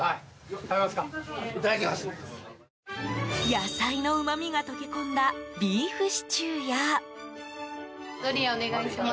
野菜のうまみが溶け込んだビーフシチューや。